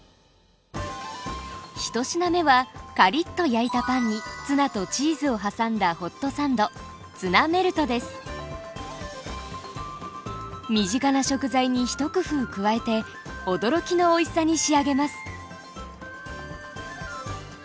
１品目はカリッと焼いたパンにツナとチーズを挟んだホットサンド身近な食材に一工夫加えて驚きのおいしさに仕上げます！